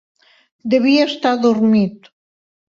Devia estar adormit.